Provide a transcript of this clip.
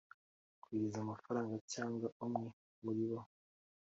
kohereza amafaranga cyangwa umwe muribo